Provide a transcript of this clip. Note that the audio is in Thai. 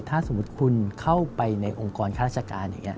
ถ้าสมมุติคุณเข้าไปในองค์กรข้าราชการอย่างนี้